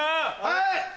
はい！